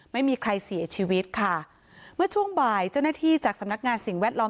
ไม่มีใครเสียชีวิตค่ะเมื่อช่วงบ่ายเจ้าหน้าที่จากสำนักงานสิ่งแวดล้อม